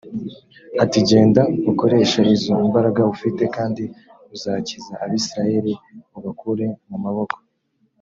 ati “genda ukoreshe izo mbaraga ufite kandi uzakiza abisirayeli ubakure mu maboko